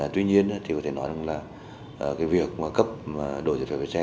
tuy nhiên thì có thể nói là cái việc cấp đổi giải phép lấy xe